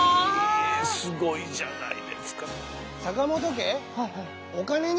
えすごいじゃないですか。